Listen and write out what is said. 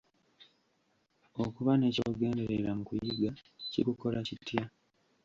Okuba ne ky'ogenderera mu kuyiga kikukola kitya?